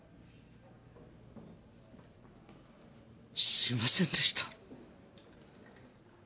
すいませんでした。